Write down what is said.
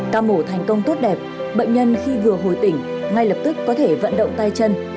ca mổ thành công tốt đẹp bệnh nhân khi vừa hồi tỉnh ngay lập tức có thể vận động tay chân